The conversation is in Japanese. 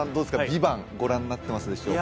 「ＶＩＶＡＮＴ」ご覧になってますでしょうか？